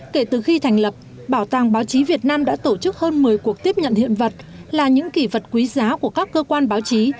kể từ khi thành lập bảo tàng báo chí việt nam đã tổ chức hơn một mươi cuộc tiếp nhận hiện vật là những kỷ vật quý giá của các cơ quan báo chí